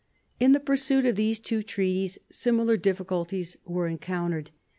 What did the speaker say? In the pursuit of these two treaties similar difficulties were encountered.